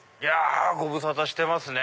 ご無沙汰してますね。